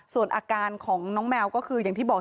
ส่วนอาการของน้องแมวก็คืออย่างที่บอก